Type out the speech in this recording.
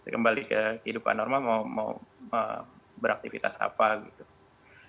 kembali ke kehidupan normal mau beraktivitas apa gitu